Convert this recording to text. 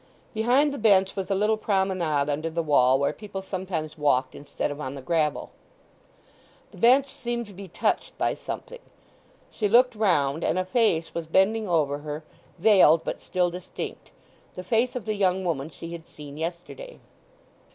Behind the bench was a little promenade under the wall where people sometimes walked instead of on the gravel. The bench seemed to be touched by something, she looked round, and a face was bending over her, veiled, but still distinct, the face of the young woman she had seen yesterday.